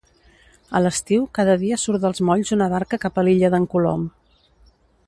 A l'estiu, cada dia surt dels molls una barca cap a l'illa d'en Colom.